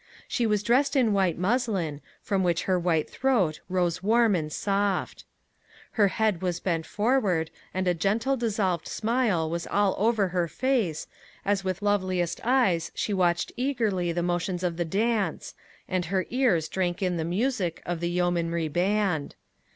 She was dressed in white muslin, from which her white throat rose warm and soft. Her head was bent forward, and a gentle dissolved smile was over all her face, as with loveliest eyes she watched eagerly the motions of the dance, and her ears drank in the music of the yeomanry band.